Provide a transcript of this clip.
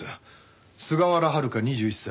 菅原遥香２１歳。